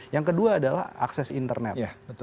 yang kedua adalah akses internet